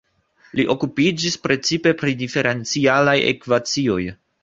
Li okupiĝis precipe pri diferencialaj ekvacioj.